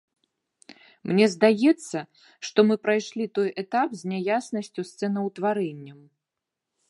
Мне здаецца, што мы прайшлі той этап з няяснасцю з цэнаўтварэннем.